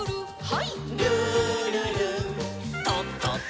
はい。